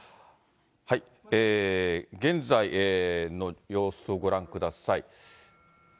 現在の様子をご覧ください。